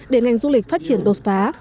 để ngành du lịch phát triển đột phá